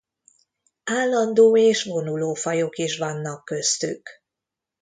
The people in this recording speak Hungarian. Állandó és vonuló fajok is vannak köztük.